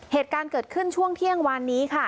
เหตุการณ์เกิดขึ้นช่วงเที่ยงวานนี้ค่ะ